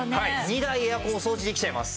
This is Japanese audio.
２台エアコンお掃除できちゃいます。